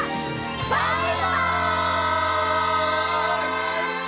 バイバイ！